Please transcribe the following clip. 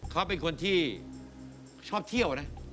เขาเป็นคนที่ชอบเที่ยวนะ